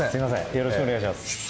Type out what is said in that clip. よろしくお願いします。